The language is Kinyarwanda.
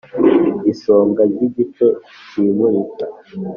isonga ry'igice kimurika